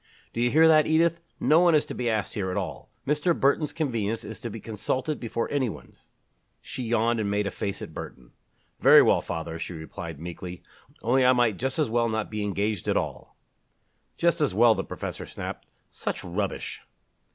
"Do you hear that, Edith? No one is to be asked here at all. Mr. Burton's convenience is to be consulted before any one's." She yawned and made a face at Burton. "Very well, father," she replied meekly, "only I might just as well not be engaged at all." "Just as well!" the professor snapped. "Such rubbish!"